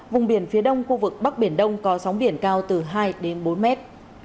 vùng biển phía đông khu vực bắc biển đông có sóng biển cao từ hai đến bốn mét